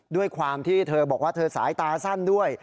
ด้วยความที่เธอบอกว่าเธอสายตาสั้นด้วย